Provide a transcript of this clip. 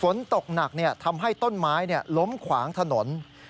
ฝนตกหนักทำให้ต้นไม้ล้มขวางถนน